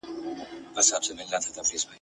نه په خوله فریاد له سرولمبو لري !.